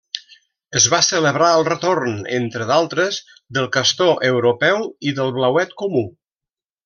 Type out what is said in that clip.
Es va celebrar el retorn —entre d'altres— del castor europeu i del blauet comú.